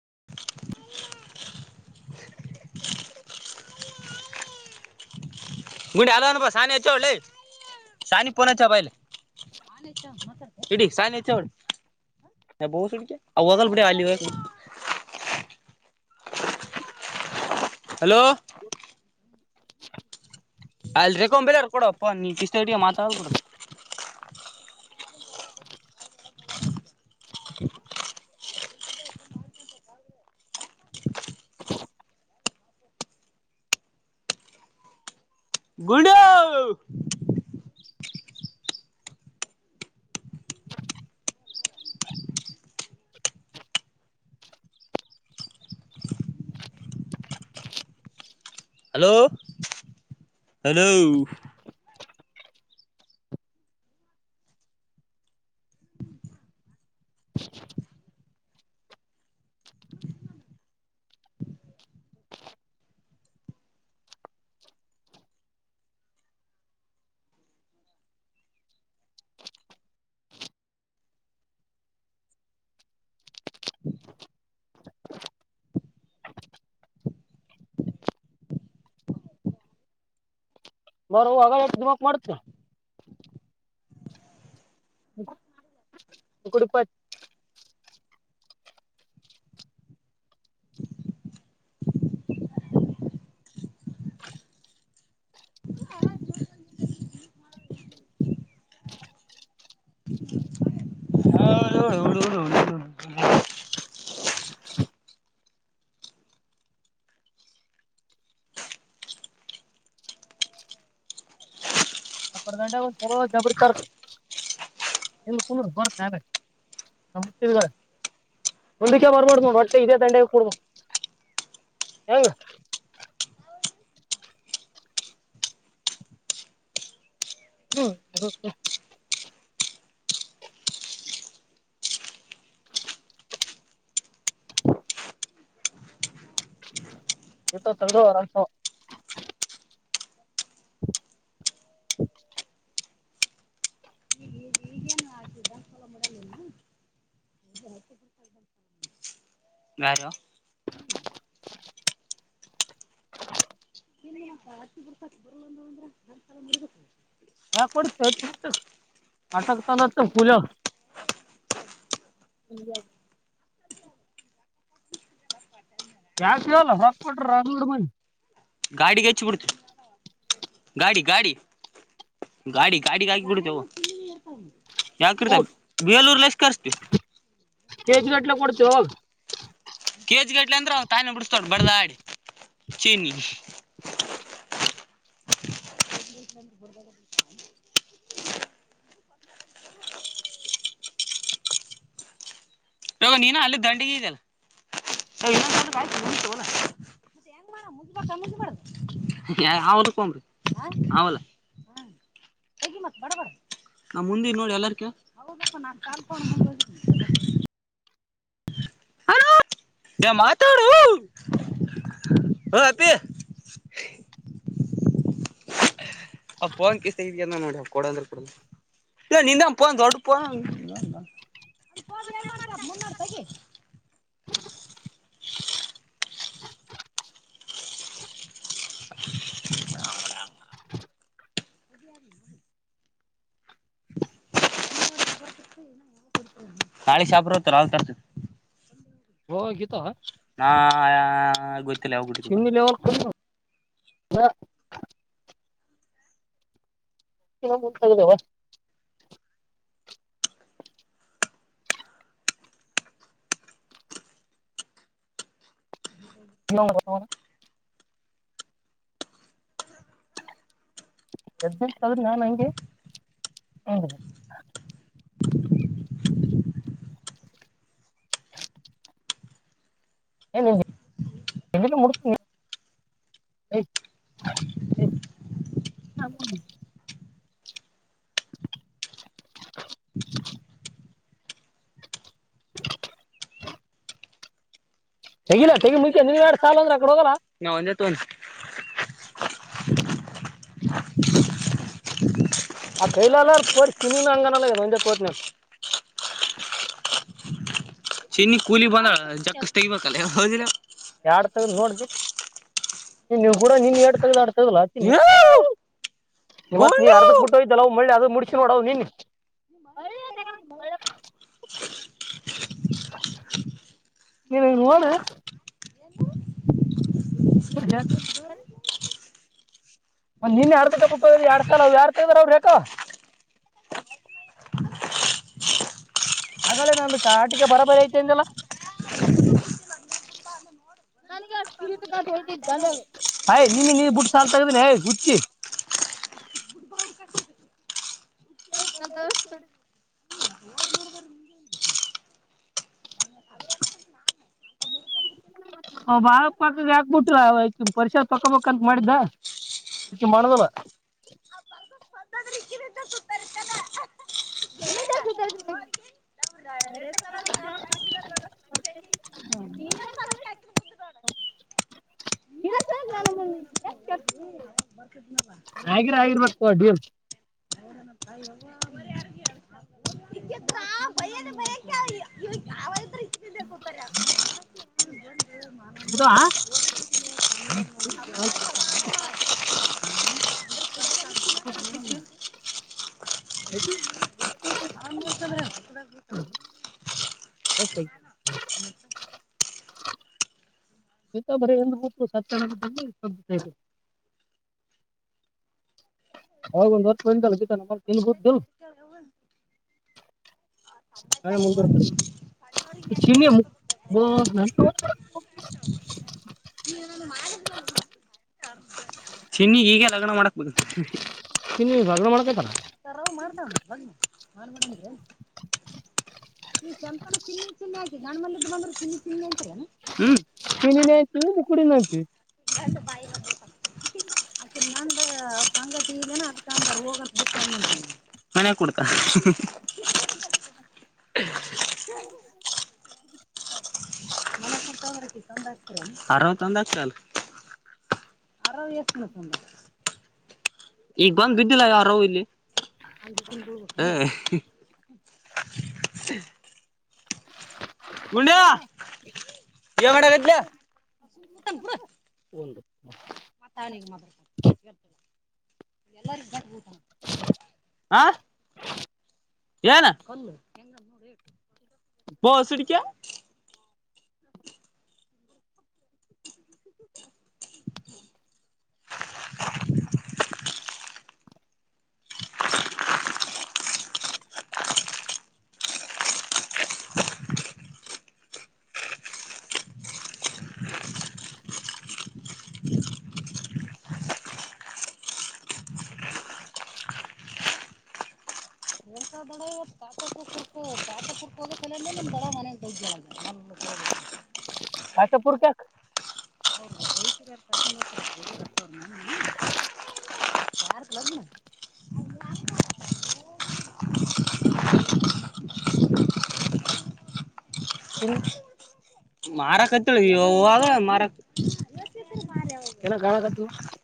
[inaudible] ಗುಂಡ ಹಲ್ಲ ಬ ಸಾನಿ ಅಚ್ಚ ಹೊಲ್ಲ ಸಾನಿ ಪೋನ್ಚ್ಚ ಬಲ್ಲಿ ಇಡೀ ಸಾಯಿನ ಚ್ರ ಬೋ ಸು ಅ ಹಊ ಬಟ್ಟೆ ಅಲ್ಲಿಿವ ಹಲೋ ಅಲ್ ರಕೊಂಬಲಾರ ಕೊಡಪ್ಪ ನೀ ಕಿಸ್ತ ಹಡ್ಿಗೆ ಮಾತಾಡಬಡ ಗುಡ [inaudible] ಹಲೋ ಹಲೋ [inaudible] ಬರ ಅಗ ಎು ದಿಮಕ್ ಮಾಡತ ಇಡು ಕೊ ಹ ಹ ಹ [unintelligible] ಅಪ್ಪದಂಡ ಜಬರತಾರ್ ಇಲ್ಲಿ ಕು ಬರ್ತ ಯಾರ ನ ಮುಟ್ಟಿದ ಮುಂದಕ್ಕೆ ಬರ್ಬಡ್ಮ ಬಟ್ಟೆ ಇದೇ ದಂಡೆಗೆ ಕುೂಡಬ ಹೆಂಗ ಹ್ಮ ಹೌ ಇತ್ತ ತೆಗೆದು ಅರಸ [inaudible] ಬಾರ [inaudible] ಯ ಕಡೆ ಚ ಕಾಟಕತಾನಚ ಹುಲ ಇ [unintelligible] ಯಾಕವಲ್ಲ ಹೊಾಕ್ಬಟ್ರ ಅೋಡ್ ಮನಿ ಗಾಡಿಗೆ ಹೆಚ್ಚ ಬಿಿಡ್ತು ಗಾಡಿ ಗಾಡಿ ಗಾಡಿ ಗಾಡಿ ಗಾಾಗಿ ಕೊಡತವು ಯಾಕಿರ್ತ ಬೇಲೂರ್ ಲ ಎಷ್ಟ ಕರ್ಸ್ತೀ ಕೆಜ ಎಟ್ಲ ಕೊಡ್ಚ ಕೇಜ್ ಗಟ್ಲೆ ಅಂದ್ರ ತಾನೇ ಬಿಡ್ಸ್ತಾಡ್ ಬಡದಾಡಿ ಚೀನಿ ರೋಗ ನೀನ ಅಲ್ಲಿ ದಂಡಗ ಇದದೆಲ್ಲ ಅವಕಂಬ್ರಿಲ್ಲ ನಾ ಮುಂದ ನೋಡಿ ಎಲ್ಲರ್ ಹದ ನಾನ್ ಕ ಯ ಮಾತಾಡ ಹ ಅಪ್ಪಿ ಆ ಪೋಂಕ್ ಇಷ್ಟ ಇದ್ಯ ನೋಡಿ ಅವ ಕೊಡ ಅಂದ್ರ ಕೊಡ ಇಲ್ಲ ನೀಂತಾ ಪ ತೊಟ ಅ ಹ ಏನ್ ಮಾಡ್ತಪ್ಪ ಮುನ್ನಾರ ತಗಿ ನಾಳಿ ಶಾಪ್ರ ಹತ್ತ ತರ್ತ ಹಓ ಗತ ಹಾ ಗೊತ್ತಿಲ್ಲ ಹೋಗ್ಬಿಟ್ಟ ತಗ ಹ ಇ ಮು ತ [unintelligible] ಎ ಆದ್ರೆ ನಾನ್ ಹಂಗೆ ನಂದಿದ್ದಿ [unintelligible] ಏ ಎಲ್ಲ ಮುತ [unintelligible] ಎ್ [unintelligible] ತೆಿಾ ತಗಿ ಮುೆ ನೀವನ್ ಮಾಡಡ್ ಸಾಲ ಅ್ರ ಅಡೆ ಹದಲ್ಲ [unintelligible] ನಾ ಒಂದೇ ತೋನ್ [unintelligible] ಹ ಕೈಲ ಅಲ್ಲ ಪೋರ್ ಚಿನನ ಅಂಗಾನಲ್ಲ ಒಂ ಪ ಚನ್ನಿ ಕೂಲಿ ಬಂದಳ ಜಕ್ಕಸ್ ತೆಗಿಬೇಕಲ್ಲ ಹೌದಿಲ್ಲ ನೋಡ್ ನೀ ನೀವು ಕೂಡ ನಿನ್ ಎ ತಗಡ್ ಲ ಹತೀನಿ ನಿಮ್ಮ ಮತ್ ನೀ ಗೋಂಡು ಅರ್ಧಕ್ ಬಿಟ್ಟೋಯ್ತು ಲ್ಲ ಮಳ್ಳೆ ಅದು ಮುಡ್ಕಿ ನೋಡ ನಿನ್ ನೀನು ನವಾನ ಗಜ ಒಂದ ನಿನ್ ಯಡ್ಬೇಕಪ್ಪ ಎಡ್ ಸಾಲ ಅವ ಯಾರ್ತ್ರ ಅವ್ರ ಯಾಕ ಹಾಗಳೆ ನಂದು ಆಟಿಕ ಬರೋಬರಿ ಐತಿಂದಲ್ಲ [unintelligible] ಯ ನಿನ್ನ ನೀರ್ ಬಿಟ್ಟು ಸಾಲ್ ತಗ್ದೀನಿ ಯ್ ಹುಚ್ಚಿ [unintelligible] ಗಾ ಬಾಳ ಪಾಕಕ್ಕೆ ಹಾಕ್ಬಿಟ್ರ ಅವ ಪರಿಷರ ಪಕ್ಕಬಂತ ಮಾಡಿದ್ದ ಚುಂಬಾಣಲ್ಲ ಅ ದ ಅ [unintelligible] ಇ ನ ಹಾಗಿರ ಆಗಿರ್ಬೇಕ ಡೀಲ್ ಹದ ಭ ಹ [unintelligible] [unintelligible] ಹ [unintelligible] ಹೊತ್ತ [unintelligible] ತ [unintelligible] ತ್ತೆ [unintelligible] ಇ ಬ ಸಾ ಬ [unintelligible] ಹೌ ಬಧಮ್ಮ ದಿನ ಗೂಟ್ ದ [unintelligible] ಹ [unintelligible] ಹೇ ಮುಂದೂರು ಚ ಆ [unintelligible] ಚಿನ್ನಿ ಹೀಗೆ ಲಗ್ನ ಮಾಡಕ್ಬೋದು [unintelligible] ಇ ಬಾಗಡ ಮಾಡಡದತ [unintelligible] ನೀ ಸಂಪಟ ಚಿನ್ನಿ ಚಿನ್ನನೆ ಆ ಗಾಣ ಮ ಬಂದ್ರೆ ಚಿನ್ನ ಚಿಿ ಅಂತ ಮನ್ನಿನತ ಕುಡಿ ನೋಕ್ ಹ ಸಂಂಗ [unintelligible] ಮನ್ಯಾಗ ಕುಡ್ತ ಹ ಅರಾಮ ತಂದ ಆಗ್ತ ಅಲ್ ಅರ ಎಷ್ಟ ಮ ತ ಈಗ ಬಂದ್ ಬಿದ್ದಿಲ್ಲ ಯಾರ ಇಲ್ಲಿ ಗಂಡ ಎಂಗಡ ಒಂದು ಹಾ ಮತ್ತ ಅವನಿಗೆ ಮಾತ್ರ ಎರ್ತ ಆ ಏನ [unintelligible] [inaudible] ತಡ ತಾಕರ್ಕು ತಾಟ ಕುರ್ಕು ಹೋಗೋ ಸಲ ನಮ್ ದಡ ಮನ [inaudible] [unintelligible] [inaudible] ಕತಪುರ ಕ [unintelligible] [inaudible] ಹ್ಮ [inaudible] ಮಾರಕ್ತ್ತಳ ಹವಾಗ ಮಾರಕ್ [unintelligible] ಎನ [inaudible] [unintelligible]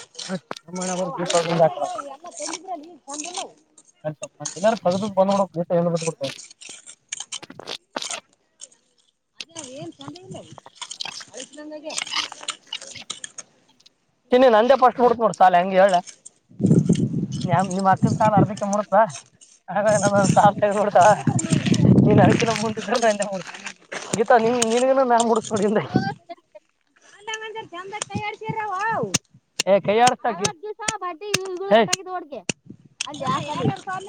[inaudible] ಎಲ್ಲು ಸದುಪ ಬಂದ ಕೂಡ ನೀಸ ಕೊಡ್ತಾರೆ [inaudible] ಇನ್ನಿ ನಂದೆ ಫಸ್ಟ್ ಹಡ್ತ್ ನೋಡ ಸಾಲ ಹೆಂಗಗೆ ಹೇಳೆ ನ ನಿಮ್ ಹತ್ತನ್ ಸಾಲ ಅರ್ಧಿಕ ಮೂಡ್ತ ಹಾಗ ನೊ ಸಾಲ ತೆಗೆ್ದಡ್ತಾವ [unintelligible] ನೀ ನ ಕಿಂತ [unintelligible] ಮುಂದಿದ್ರು ಮೆ [unintelligible] ಗಿತಾ ನಿನ್ ನೀನ್ಗನ ನನ್ ಮೂಡಸ್ ನೋಡಿ [unintelligible] [unintelligible] [inaudible] [unintelligible]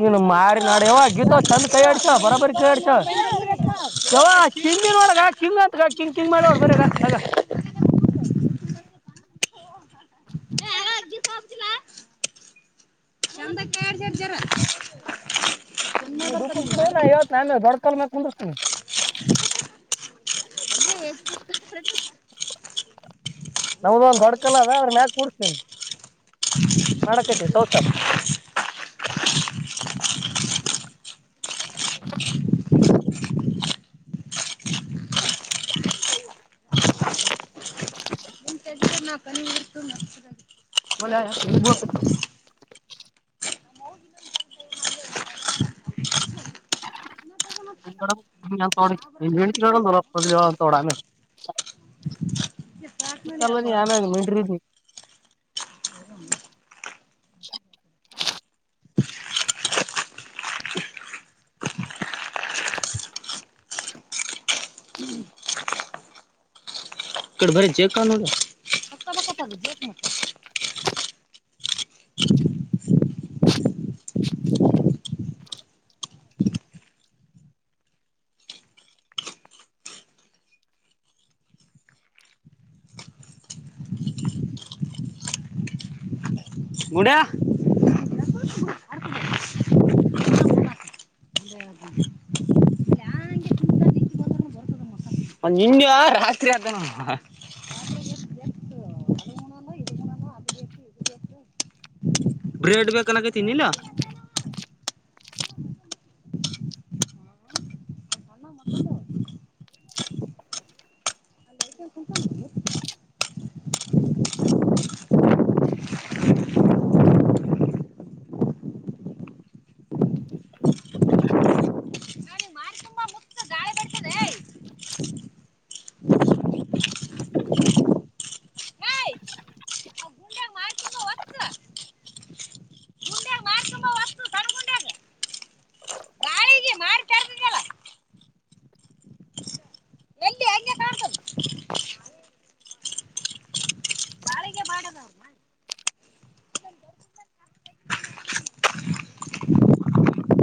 ನೀನು ಮಾರಿನಡವ ಗೀತ ಚಂದ್ ಕೈ ಆಡ್ಸ ಬರಬರಿ ಕೈಯ್ಯಾಡ್ಸ ಚಿನ್ನಿ ನೋಡಗ ಕಿಂಗ್ ಆತ್ಗ ಕಿಂಗ್ ಕಿಂಗ್ ಮಾಡಿ ನೋ ಬರಗ ಆಗ [unintelligible] [inaudible] [unintelligible] ನೀ ದುಡುಪ್ಪ ಕಿಡ ನ ಇವತ್ ನಾನ ದೊಡ್ ಕಾಲ್ ಮಕ್ ಕುಂದ್ತೀನಿ [unintelligible] ಅಂದ್ರೆ ಹೆಚ್ಚ [unintelligible] ನಮದು ಒಂದ್ ಹೊಡ್ಕಲ್ಲ ಅದ ಆದದ್ರ ಮ್ಯಾಗ ಕೂಡ್ಸ್ತೀನಿ [unintelligible] ಮಾಡಕೈತಿವಿ ಸೌ ಸರ್ [inaudible] [inaudible] ಮಳೆ ಆ ನಿಬ [unintelligible] ನ್ ತೋೋಡಲ ತೋಡಾನೆ [unintelligible] [inaudible] ಆನ ಮಟರಿ [unintelligible] [inaudible] ಕಡೆ ಬರ ಜೇಕೋ [unintelligible] ಗುಡ [unintelligible] [unintelligible] ಬ್ರೆಡ್ ಬೇಕೆನ್ನ ಕತ್ತಿ ಏನು [unintelligible]